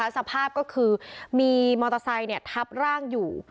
สภาพก็คือมีมอเตอร์ไซค์ทับร่างอยู่